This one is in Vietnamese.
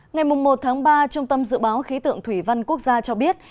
ngày một ba trung tâm dự báo khí tượng thủy văn quốc gia cho biết